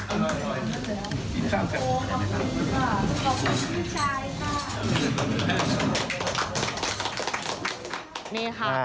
ขอบคุณครับ